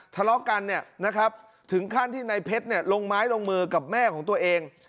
ทะเลาะกันเนี่ยนะครับถึงขั้นที่นายเพชรลงไม้ลงมือกับแม่ของตัวเอง